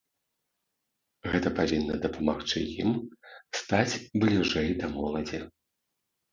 Гэта павінна дапамагчы ім стаць бліжэй да моладзі.